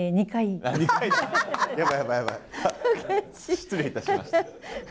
失礼いたしました。